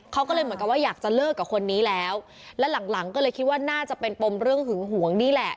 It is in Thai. เขาก็เลยเหมือนกับว่าอยากจะเลิกกับคนนี้แล้วแล้วหลังหลังก็เลยคิดว่าน่าจะเป็นปมเรื่องหึงหวงนี่แหละ